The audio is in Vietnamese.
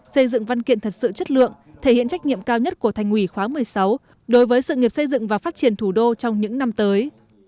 xây dựng văn kiện thật sự chất lượng thể hiện trách nhiệm cao nhất của thành ủy khóa một mươi sáu đối với sự nghiệp xây dựng và phát triển thủ đô trong những năm tới